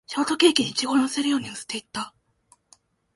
ショートケーキにイチゴを乗せるように乗せていった